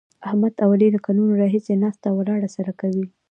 احمد او علي له کلونو راهسې ناسته ولاړه سره کوي.